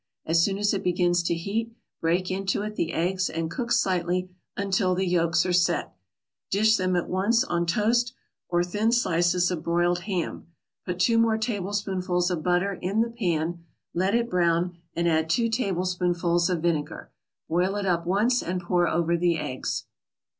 As soon as it begins to heat, break into it the eggs and cook slightly until the yolks are "set;" dish them at once on toast or thin slices of broiled ham. Put two more tablespoonfuls of butter in the pan, let it brown, and add two tablespoonfuls of vinegar; boil it up once and pour over the eggs.